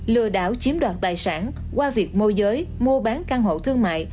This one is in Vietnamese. lừa đảo chiếm đoạt tài sản qua việc môi giới mua bán căn hộ thương mại